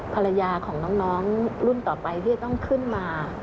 ภรรยาของน้องรุ่นต่อไปที่จะต้องขึ้นมา